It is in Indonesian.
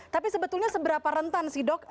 tapi sebetulnya seberapa rentan sih dok